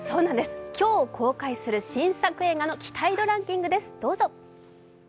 今日公開される新作映画の期待度ランキングです、どうぞ。